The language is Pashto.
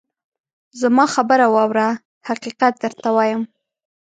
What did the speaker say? زما خبره واوره ! حقیقت درته وایم.